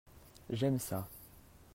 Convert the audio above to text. J'aime ça.